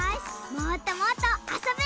もっともっとあそぶ。